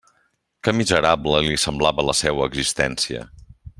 Que miserable li semblava la seua existència!